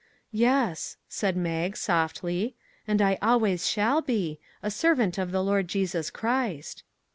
" Yes," said Mag, softly. " And I always shall be a servant of the Lord Jesus Christ."